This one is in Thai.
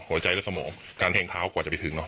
หัวใจและสมองการแทงเท้ากว่าจะไปถึงเนอ